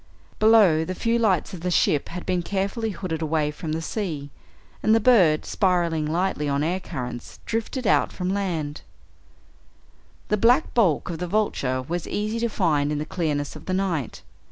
Below, the few lights of the ship had been carefully hooded away from the sea, and the bird, spiraling lightly on air currents, drifted out from land. The black bulk of the Vulture was easy to find in the clearness of the night.